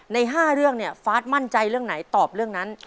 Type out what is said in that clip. ใน๕เรื่องเนี่ยฟาร์ดมั่นใจเรื่องไหนตอบเรื่องนั้น